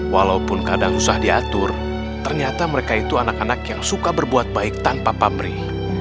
walaupun kadang susah diatur ternyata mereka itu anak anak yang suka berbuat baik tanpa pamrih